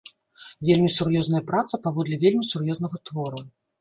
Вельмі сур'ёзная праца паводле вельмі сур'ёзнага твора.